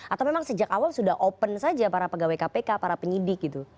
atau memang sejak awal sudah open saja para pegawai kpk para penyidik gitu